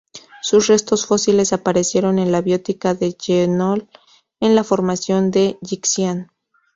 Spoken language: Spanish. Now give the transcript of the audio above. Sus restos fósiles aparecieron en la biota de Jehol, en la Formación de Yixian.